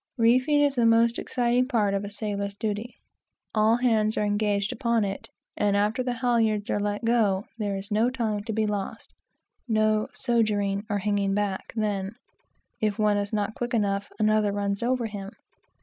Reefing is the most exciting part of a sailor's duty. All hands are engaged upon it, and after the halyards are let go, there is no time to be lost no "sogering," or hanging back, then. If one is not quick enough, another runs over him.